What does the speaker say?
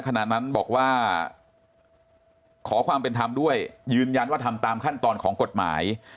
ขณะนั้นบอกว่าขอความเป็นธรรมด้วยยืนยันว่าทำตามขั้นตอนของกฎหมาย